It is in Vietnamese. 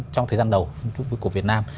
trong thời gian đầu của việt nam